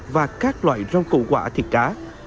và các loại rau củ quả thịt cá